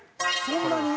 そんなに？